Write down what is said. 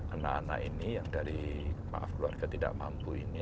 anak anak ini yang dari keluarga tidak mampu ini